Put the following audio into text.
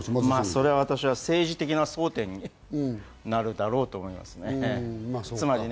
政治的な争点になるだろうと思いますね。